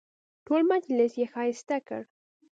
ټول مجلس یې ښایسته کړ.